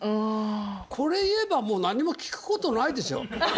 これ言えばもう何も聞くことないでしょ。